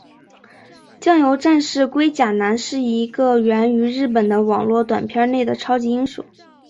酱油战士龟甲男是一个源于日本的网络短片内的超级英雄。